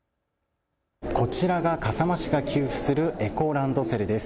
こちらが笠間市が給付するエコランドセルです。